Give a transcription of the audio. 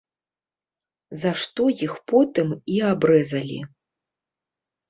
За што іх потым і абрэзалі.